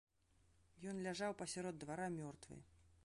Ён ляжаў пасярод двара мёртвы.